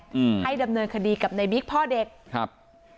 อืมให้ดำเนินคดีกับในบิ๊กพ่อเด็กครับ